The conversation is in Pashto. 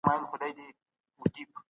تاسو به له خپل ژوند څخه خوند اخلئ.